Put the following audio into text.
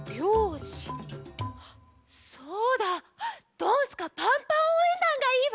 「ドンスカパンパンおうえんだん」がいいわ！